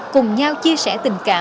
cùng nhau chia sẻ tình cảm